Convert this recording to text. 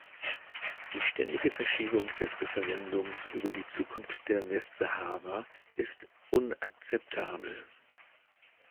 Die ständige Verschiebung des Referendums über die Zukunft der Westsahara ist unakzeptabel.